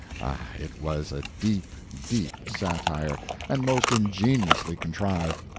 Ah, it was a deep, deep satire, and most ingeniously contrived.